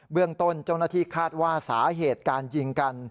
เรื่องต้นเจ้าหน้าที่คาดว่าสาเหตุการยิงกัน